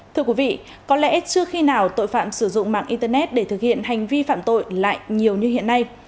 thưa quý vị có lẽ chưa khi nào tội phạm sử dụng mạng internet để thực hiện hành vi phạm tội lại nhiều như hiện nay